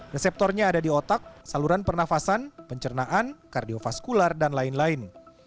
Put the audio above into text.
reseptornya ada di otak saluran pernafasan pencernaan kardiofaskular dan lain lain